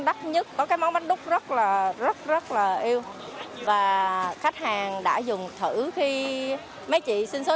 đắt nhất có cái món bánh đúc rất là rất rất là yêu và khách hàng đã dùng thử khi mấy chị xin số